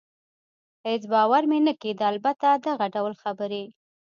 هېڅ باور مې نه کېده، البته دغه ډول خبرې.